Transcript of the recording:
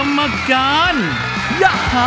รับตาก่อนค่ะ